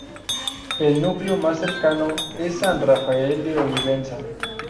El núcleo más cercano es San Rafael de Olivenza.